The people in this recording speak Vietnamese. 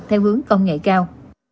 theo hướng công nghệ cao